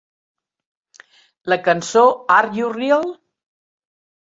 La cançó Are You Real?